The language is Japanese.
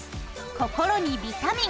心にビタミン！